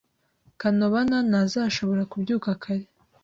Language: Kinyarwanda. Kanobana ntazashobora kubyuka kare.